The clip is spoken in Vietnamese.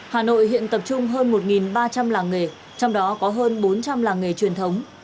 hà nội hiện tập trung hơn một ba trăm linh làng nghề trong đó có hơn bốn trăm linh làng nghề truyền thống